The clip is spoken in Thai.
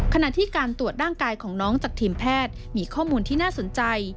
ขณะที่การตรวจร่างกายของน้องจากทีมแพทย์มีข้อมูลที่น่าสนใจ